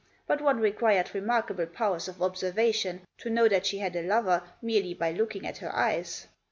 But one required remarkable powers of observation to know that she had a lover merely by looking at her eyes.